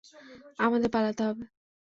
আমাদের পালাতে হবে।